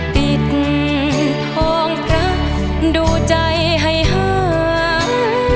ปิดห้องรักดูใจหายหาย